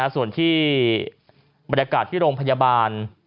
ส่วนที่บรรยากาศที่โรงพยาบาล